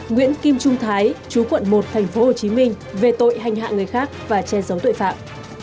nguyễn kim trung thái chú quận một tp hcm về tội hành hạ người khác và che giấu tội phạm